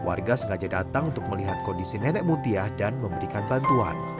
warga sengaja datang untuk melihat kondisi nenek mutia dan memberikan bantuan